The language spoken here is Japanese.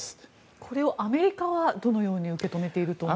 これをアメリカはどのように受け止めていると思いますか。